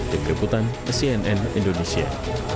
dikebutan cnn indonesia